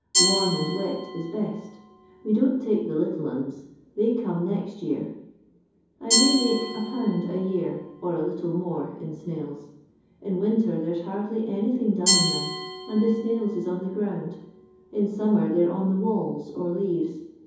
Warm and wet is best We don't take the little 'una. They come next year. I may make 1/. a year, or a little more, in snails. In winter there's hardly anything done in them, and the snails is on the ground ; in summer they 're on the walls or leaves.